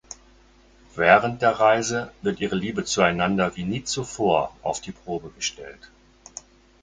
Während der Reise wird ihre Liebe zueinander wie nie zuvor auf die Probe gestellt.